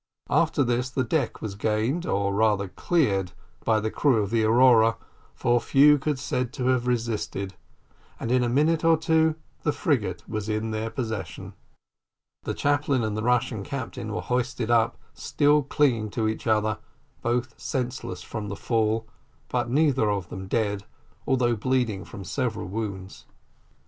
After this, the deck was gained, or rather cleared, by the crew of the Aurora, for few could be said to have resisted, and in a minute or two the frigate was in their possession. The chaplain and the Russian captain were hoisted up, still clinging to each other, both senseless from the fall, but neither of them dead; although bleeding from several wounds.